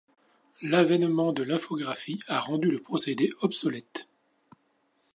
L'avènement de l'infographie a rendu le procédé obsolète.